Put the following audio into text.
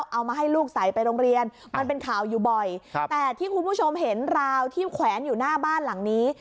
เอามาให้ลูกใส่ไปโรงเรียนมันเป็นข่าวอยู่บ่อยแต่ที่คุณผู้ชมเห็นราวที่แขวนอยู่หน้าบ้านหลังนี้